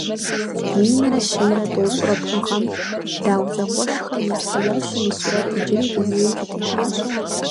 Минрэ щийрэ тӏощӏрэ бгъу гъэм Дау зэкъуэшхэм я фэеплъым и сурэт иджыри дунейм къытехьащ.